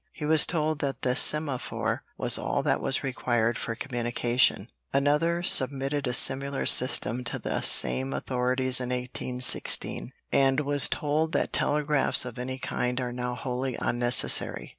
He was told that the semaphore was all that was required for communication. Another submitted a similar system to the same authorities in 1816, and was told that "telegraphs of any kind are now wholly unnecessary."